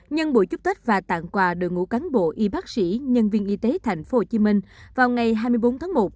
nhân buổi chúc tết và tạng quà đội ngũ cán bộ y bác sĩ nhân viên y tế thành phố hồ chí minh vào ngày hai mươi bốn tháng một